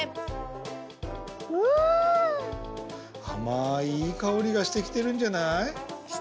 あまいいいかおりがしてきてるんじゃない？